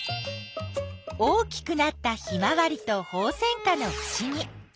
大きくなったヒマワリとホウセンカのふしぎ。